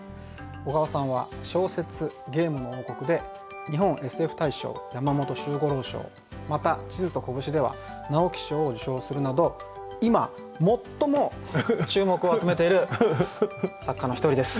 小川さんは小説「ゲームの王国」で日本ＳＦ大賞・山本周五郎賞また「地図と拳」では直木賞を受賞するなど今最も注目を集めている作家の一人です。